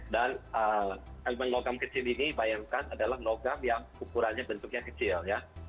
dan elemen logam kecil ini bayangkan adalah logam yang ukurannya bentuknya kecil